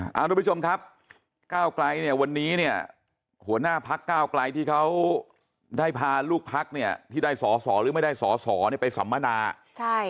ถ้าทุกผู้ชมครับวันนี้หัวหน้าพักที่ได้พาลูกพักที่ได้สอสอหรือไม่ได้สอสอไปสำนาค์